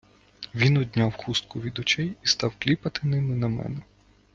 Він одняв хустку від очей і став кліпати ними на мене.